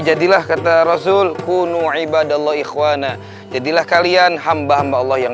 jadilah kata rasul kuno ibadallah ikhwanah jadilah kalian hamba hamba allah yang